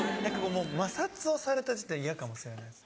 摩擦をされた時点で嫌かもしれないです。